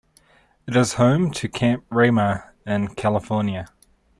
It is home to Camp Ramah in California.